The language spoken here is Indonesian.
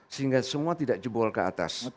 sehingga semua tidak jebol ke atas